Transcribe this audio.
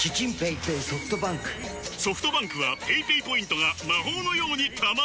ソフトバンクはペイペイポイントが魔法のように貯まる！